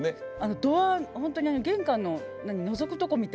ドアホントに玄関ののぞくとこみたい。